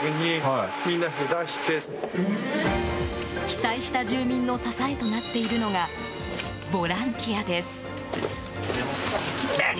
被災した住民の支えとなっているのがボランティアです。